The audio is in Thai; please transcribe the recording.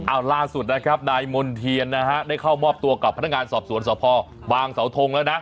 เอาล่าสุดนะครับนายมณ์เทียนนะฮะได้เข้ามอบตัวกับพนักงานสอบสวนสพบางเสาทงแล้วนะ